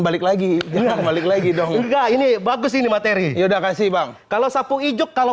balik lagi balik lagi dong enggak ini bagus ini materi yaudah kasih bang kalau sapu ijuk kalau